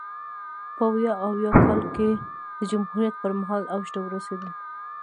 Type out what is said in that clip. په ویا اویا کال کې د جمهوریت پرمهال اوج ته ورسېدل.